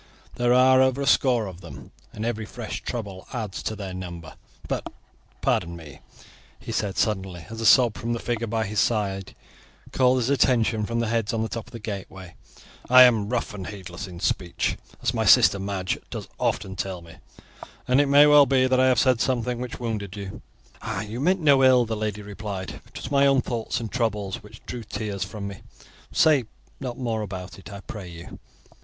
There are over a score of them, and every fresh trouble adds to their number; but pardon me," he said suddenly as a sob from the figure by his side called his attention from the heads on the top of the gateway, "I am rough and heedless in speech, as my sister Madge does often tell me, and it may well be that I have said something which wounded you." "You meant no ill," the lady replied; "it was my own thoughts and troubles which drew tears from me; say not more about it, I pray you."